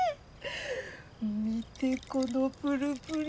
見てこのプルプル。